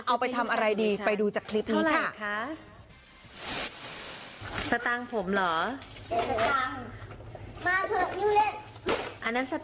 เอาไปทำอะไรดีไปดูจากคลิปนี้ค่ะ